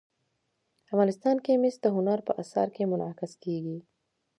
افغانستان کې مس د هنر په اثار کې منعکس کېږي.